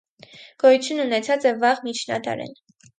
Գոյութիւն ունեցած է վաղ միջնադարէն։